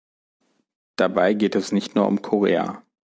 Dabei geht es nicht nur um Korea.